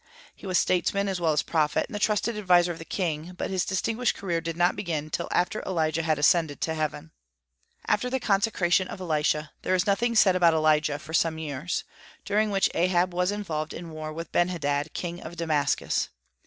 He was statesman as well as prophet, and the trusted adviser of the king; but his distinguished career did not begin till after Elijah had ascended to heaven. After the consecration of Elisha there is nothing said about Elijah for some years, during which Ahab was involved in war with Benhadad, king of Damascus.